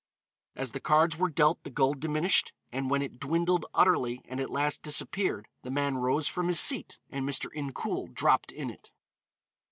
As the cards were dealt the gold diminished, and when it dwindled utterly and at last disappeared, the man rose from his seat and Mr. Incoul dropped in it.